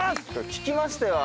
聞きましたよ